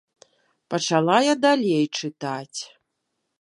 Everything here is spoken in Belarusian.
Пачала я далей чытаць.